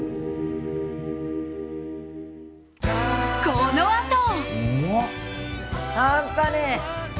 このあと。